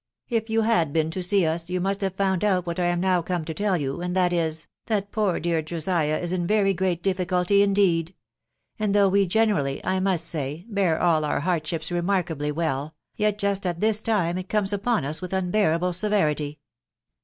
... If you had been to see us, you must have found out what I am now come to tell you, and that is, that poor dear Josiah is in very great difficulty indeed ; and though we generally, I must say, bear all our hardships remarkably well, yet just at this time it comes upon us with unbearable severity."